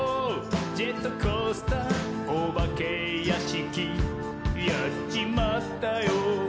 ジェットコースターおばけやしき」「やっちまったよ！